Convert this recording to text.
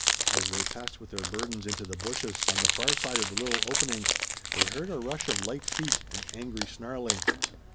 As they passed with their burdens into the bushes on the far side of the little opening they heard a rush of light feet, and angry snarling.